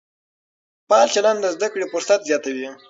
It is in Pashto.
فعال چلند د زده کړې فرصت زیاتوي.